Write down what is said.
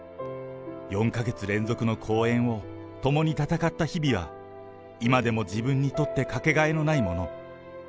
４か月連続の公演を共に戦った日々は、今でも自分にとって掛けがえのないもの。